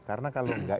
karena kalau enggak